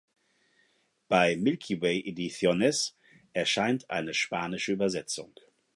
Bei Milky Way Ediciones erscheint eine spanische Übersetzung.